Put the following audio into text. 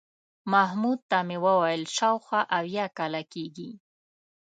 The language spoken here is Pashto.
محمود ته مې وویل شاوخوا اویا کاله کېږي.